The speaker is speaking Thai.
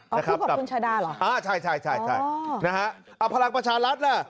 อ๋อคือกับคุณชาด้าเหรออ๋อใช่นะฮะอ่ะพลังประชารัฐน่ะ